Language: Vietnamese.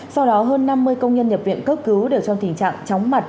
sau đó hơn năm mươi công nhân nhập viện cấp cứu đều trong tình trạng chóng mặt